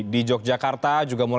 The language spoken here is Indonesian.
di yogyakarta juga mulai